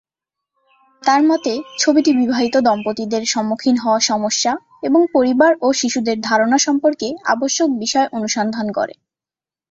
তাঁর মতে, ছবিটি বিবাহিত দম্পতিদের সম্মুখীন হওয়া সমস্যা এবং পরিবার ও শিশুদের ধারণা সম্পর্কে আবশ্যক বিষয় অনুসন্ধান করে।